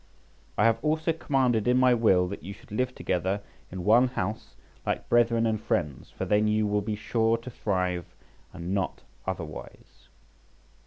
I have also commanded in my will that you should live together in one house like brethren and friends, for then you will be sure to thrive and not otherwise."